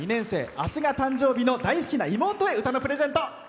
明日が誕生日の大好きな妹へ歌のプレゼント。